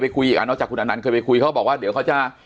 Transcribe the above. คุยอีกอ่ะนอกจากคุณอนันต์เคยไปคุยเขาบอกว่าเดี๋ยวเขาจะ